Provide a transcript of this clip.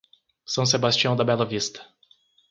São Sebastião da Bela Vista